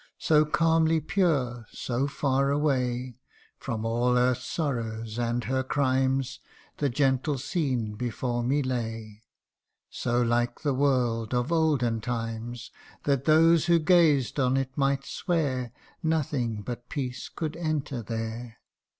So calmly pure so far away From all Earth's sorrows and her crimes, The gentle scene before me lay ; So like the world of olden times, That those who gazed on it might swear Nothing but peace could enter there.